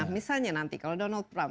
misalnya nanti kalau donald trump